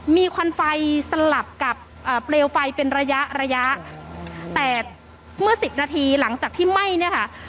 มีควันไฟสลับกับเอ่อเปลวไฟเป็นระยะระยะแต่เมื่อสิบนาทีหลังจากที่ไหม้เนี่ยค่ะ